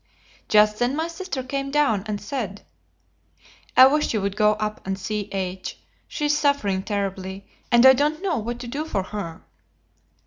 Just then my sister came down and said: "I wish you would go up and see H. She is suffering terribly, and I don't know what to do for her."